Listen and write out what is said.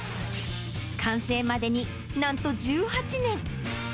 完成までになんと１８年。